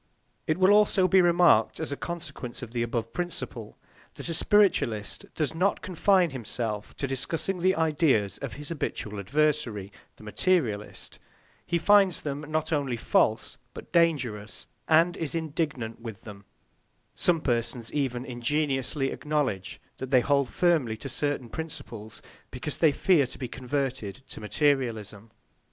It will also be remarked, as a consequence of the above principle, that a spiritualist does not confine himself to discussing the ideas of his habitual adversary, the materialist; he finds them not only false, but dangerous, and is indignant with them; some persons even ingenuously acknowledge that they hold firmly to certain principles because they fear to be converted to materialism.